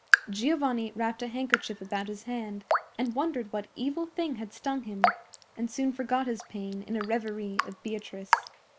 Giovanni wrapped a handkerchief about his hand and wondered what evil thing had stung him, and soon forgot his pain in a reverie of Beatrice.